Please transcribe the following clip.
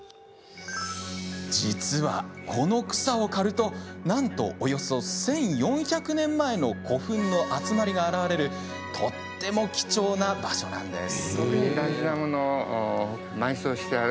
実は、この草を刈るとなんと、およそ１４００年前の古墳の集まりが現れるとっても貴重な場所なんです。